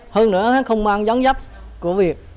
hơn nữa không mang gián giáp của việt